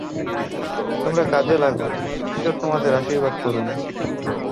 তোমরা কাজে লাগো, ঈশ্বর তোমাদের আশীর্বাদ করুন।